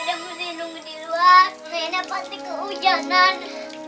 tidak boleh nunggu di luar lainnya pasti keujanan